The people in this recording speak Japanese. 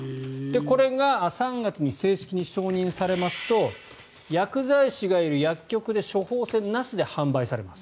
これが３月に正式に承認されますと薬剤師がいる薬局で処方せんなしで販売されます。